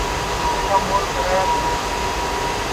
تیں جوڑے کا مول کرایا تیا